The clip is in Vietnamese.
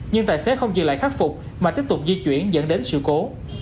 nhưng tài xế không dừng lại khắc phục mà tiếp tục di chuyển dẫn đến sự cố